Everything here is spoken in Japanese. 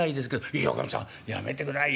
「いやおかみさんやめてくださいよ。